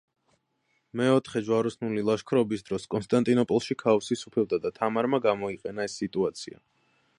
მეოთხე ჯვაროსნული ლაშქრობის დროს კონსტანტინოპოლში ქაოსი სუფევდა და თამარმა გამოიყენა ეს სიტუაცია.